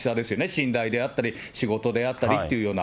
信頼であったり、仕事であったりというか。